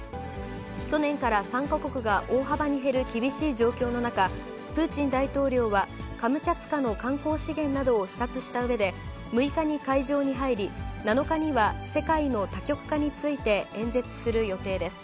去年から参加国が大幅に減る厳しい状況の中、プーチン大統領は、カムチャツカの観光資源などを視察したうえで、６日に会場に入り、７日には世界の多極化について演説する予定です。